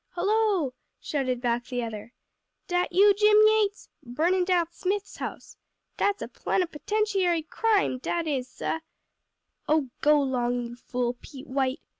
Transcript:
"Hollo!" shouted back the other, "dat you Jim Yates? Burnin' down Smith's house. Dat's a plenepotentiary crime, dat is, sah!" "Oh go 'long, you fool, Pete White!"